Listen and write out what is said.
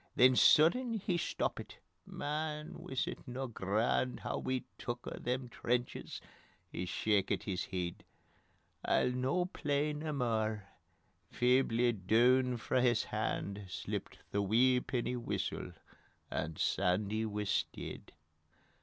Then sudden he stoppit: "Man, wis it no grand Hoo we took a' them trenches?" ... He shakit his heid: "I'll no play nae mair " feebly doon frae his hand Slipped the wee penny whistle and _SANDY WIS DEID.